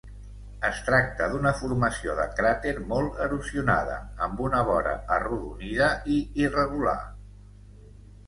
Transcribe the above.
Es tracta d'una formació de cràter molt erosionada, amb una vora arrodonida i irregular.